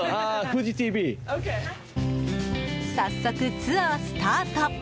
早速、ツアースタート！